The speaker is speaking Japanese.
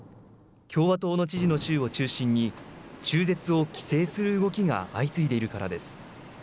共和党の知事の州を中心に中絶を規制する動きが相次いでいるからです。